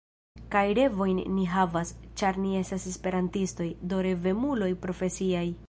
Kaj revojn ni havas, ĉar ni estas Esperantistoj, do revemuloj profesiaj.